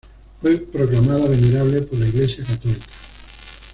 Fue proclamada venerable por la Iglesia católica.